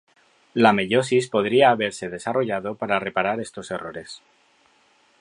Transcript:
La meiosis podría haberse desarrollado para reparar estos errores.